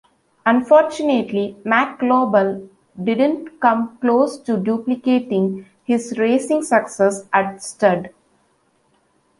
Unfortunately Mack Lobell didn't come close to duplicating his racing success at stud.